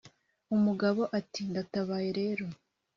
umugabo ati"ndatabaye rero